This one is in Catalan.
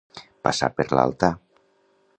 Passar per l'altar.